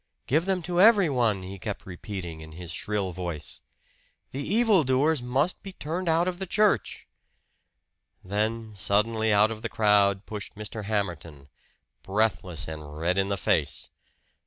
"Give them to everyone!" he kept repeating in his shrill voice. "The evil doers must be turned out of the church!" Then suddenly out of the crowd pushed Mr. Hamerton, breathless and red in the face.